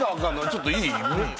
ちょっといい？